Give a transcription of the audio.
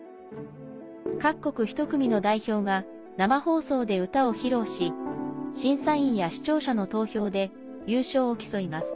各国１組の代表が生放送で歌を披露し審査員や視聴者の投票で優勝を競います。